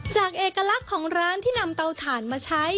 เอกลักษณ์ของร้านที่นำเตาถ่านมาใช้